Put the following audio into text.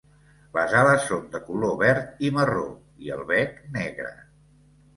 Les ales són de color verd i marró, i el bec negre.